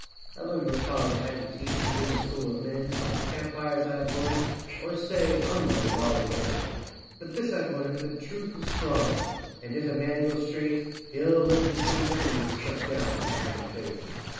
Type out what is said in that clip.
I learned what college had to teach, and in the school of men By camp fires I have learned, or, say, unlearned it all again; But this I've learned, that truth is strong, and if a man go straight He'll live to see his enemy struck down by time and fate!